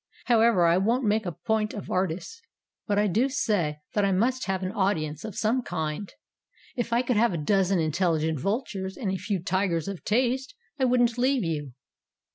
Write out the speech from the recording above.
However, I won't make a point of artists, but I do say that I must have an audience of some kind. If I could have a dozen in telligent vultures and a few tigers of taste I wouldn't leave you."